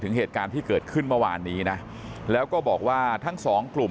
เหตุการณ์ที่เกิดขึ้นเมื่อวานนี้นะแล้วก็บอกว่าทั้งสองกลุ่ม